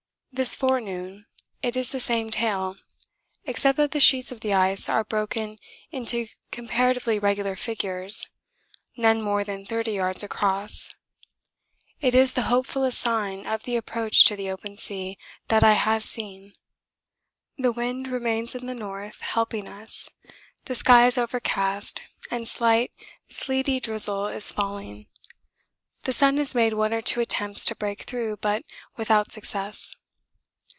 This forenoon it is the same tale, except that the sheets of thin ice are broken into comparatively regular figures, none more than 30 yards across. It is the hopefullest sign of the approach to the open sea that I have seen. The wind remains in the north helping us, the sky is overcast and slight sleety drizzle is falling; the sun has made one or two attempts to break through but without success.